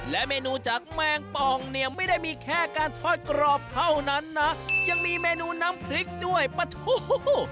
และเมนูจากแมงปองเนี่ยไม่ได้มีแค่การทอดกรอบเท่านั้นนะยังมีเมนูน้ำพริกด้วยปะทู